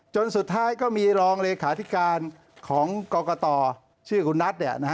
จนสุดท้ายก็มีรองเลขาธิการของกรกตชื่อคุณนัท